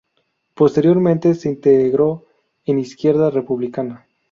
Posteriormente se integró en Izquierda Republicana.